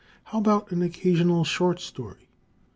How about an occasional short story?